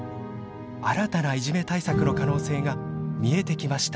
新たないじめ対策の可能性が見えてきました。